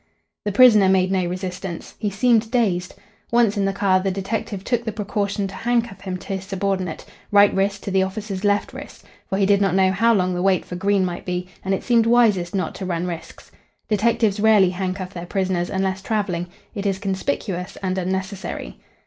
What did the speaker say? The prisoner made no resistance. He seemed dazed. Once in the car, the detective took the precaution to handcuff him to his subordinate right wrist to the officer's left wrist for he did not know how long the wait for Green might be, and it seemed wisest not to run risks. Detectives rarely handcuff their prisoners unless travelling. It is conspicuous and unnecessary.